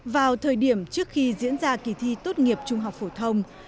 vào thời điểm trước khi diễn ra kỳ thi tốt nghiệp trung học phổ thông